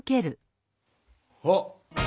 あっ！